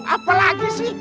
apa lagi sih